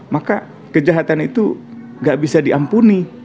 maka kejahatan itu gak bisa diampuni